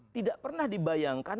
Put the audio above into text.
tidak pernah dibayangkan